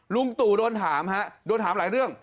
ลุงตูโดนถามหลายเรื่อง